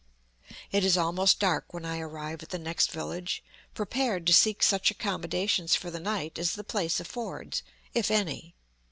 It is almost dark when I arrive at the next village, prepared to seek such accommodations for the night as the place affords, if any.